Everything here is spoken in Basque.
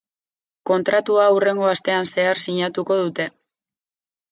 Kontratua hurrengo astean zehar sinatuko dute.